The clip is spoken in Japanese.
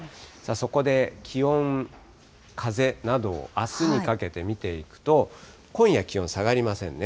そこで気温、風などをあすにかけて見ていくと、今夜、気温下がりませんね。